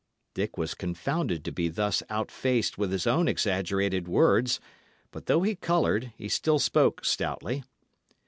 Dick was confounded to be thus outfaced with his own exaggerated words; but though he coloured, he still spoke stoutly.